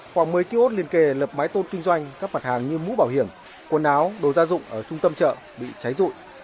khoảng một mươi kiosk liên kề lập mái tôn kinh doanh các mặt hàng như mũ bảo hiểm quần áo đồ gia dụng ở trung tâm chợ bị cháy rụi